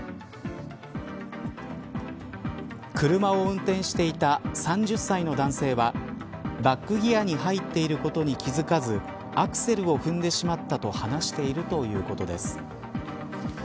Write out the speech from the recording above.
車を運転していた３０歳の男性はバックギアに入っていることに気付かずアクセルを踏んでしまったと話しているということです。